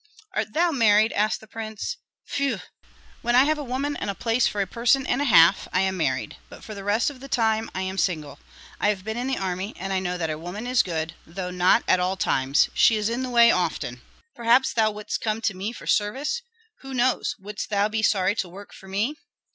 "Art thou married?" asked the prince. "Pfu! when I have a woman and place for a person and a half, I am married; but for the rest of the time I am single. I have been in the army, and I know that a woman is good, though not at all times. She is in the way often." "Perhaps thou wouldst come to me for service? Who knows, wouldst thou be sorry to work for me?"